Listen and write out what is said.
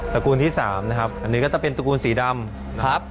ตระกูลที่๓นะครับอันนี้ก็จะเป็นตระกูลศรีดำ